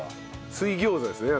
水餃子ですね